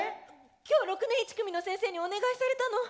今日６年１組の先生にお願いされたの。